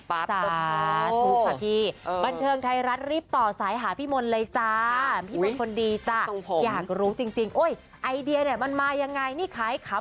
ปั๊บเปิดโมงค์